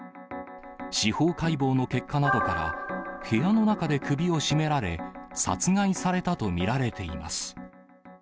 司法解剖の結果などから、部屋の中で首を絞められ、殺害されたと見られています。